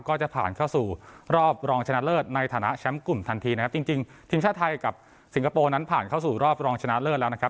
ก็จะผ่านเข้าสู่รอบรองชนะเลิศในฐานะแชมป์กลุ่มทันทีนะครับจริงจริงทีมชาติไทยกับสิงคโปร์นั้นผ่านเข้าสู่รอบรองชนะเลิศแล้วนะครับ